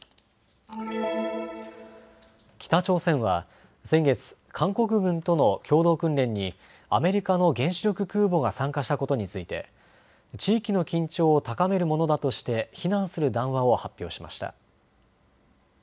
北朝鮮は先月、韓国軍との共同訓練にアメリカの原子力空母が参加したことについて地域の緊張を高めるものだとして非難する談話を発表しました。